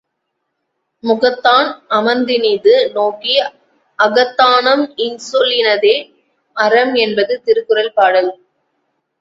முகத்தான் அமர்ந்தினிது நோக்கி அகத்தானாம் இன்சொலினதே அறம் என்பது திருக்குறள் பாடல்.